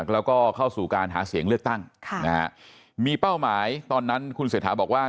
แล้วก็เข้าสู่การหาเสียงเลือกตั้งมีเป้าหมายตอนนั้นคุณเศรษฐาบอกว่า